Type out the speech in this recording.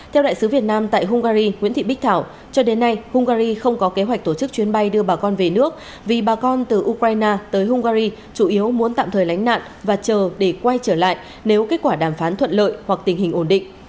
theo đại sứ việt nam tại hungary nguyễn thị bích thảo cho đến nay hungary không có kế hoạch tổ chức chuyến bay đưa bà con về nước vì bà con từ ukraine tới hungary chủ yếu muốn tạm thời lánh nạn và chờ để quay trở lại nếu kết quả đàm phán thuận lợi hoặc tình hình ổn định